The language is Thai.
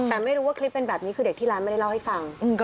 แต่ไม่รู้ว่าคลิปเป็นแบบนี้คือเด็กที่ร้านไม่ได้เล่าให้ฟัง